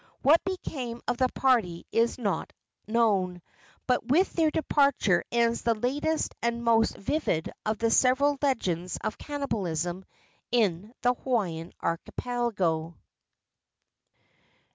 What became of the party is not known; but with their departure ends the latest and most vivid of the several legends of cannibalism in the Hawaiian archipelago.